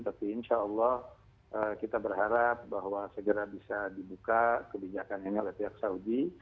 tapi insya allah kita berharap bahwa segera bisa dibuka kebijakan yang ada di saudi